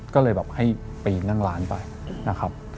ก็เลยแบบให้ปีนนั่งร้านไปนะครับ